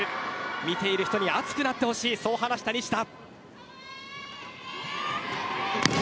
見ている人に熱くなってほしいと話した西田。